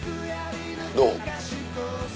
どう？